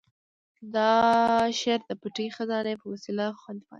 دا شعر د پټې خزانې په وسیله خوندي پاتې دی.